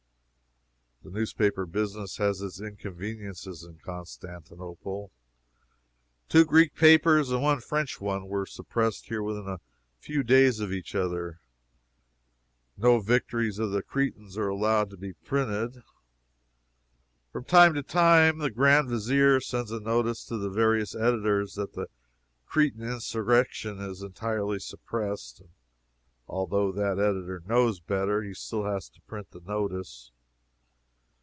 The newspaper business has its inconveniences in Constantinople. Two Greek papers and one French one were suppressed here within a few days of each other. No victories of the Cretans are allowed to be printed. From time to time the Grand Vizier sends a notice to the various editors that the Cretan insurrection is entirely suppressed, and although that editor knows better, he still has to print the notice.